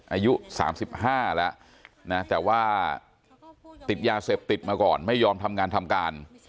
อายุ๓๕แล้วนะแต่ว่าติดยาเสพติดมาก่อนไม่ยอมทำงานทำการ